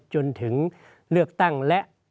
จนถึงเลือกตั้งและ